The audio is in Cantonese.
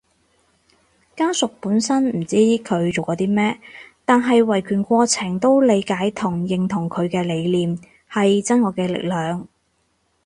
家屬本身唔知佢做過啲咩，但喺維權過程都理解到同認同佢嘅理念，係真愛嘅力量